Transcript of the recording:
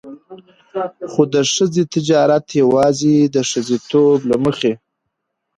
خو د ښځې تجارت يواځې د ښځېتوب له مخې.